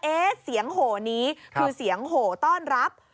เสียงโหนี้คือเสียงโหต้อนรับ